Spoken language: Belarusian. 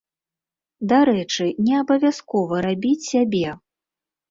Дарэчы, не абавязкова рабіць сябе.